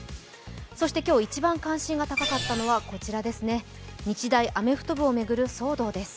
そして今日、一番関心が高かったのはこちらですね、日大アメフト部を巡る騒動です。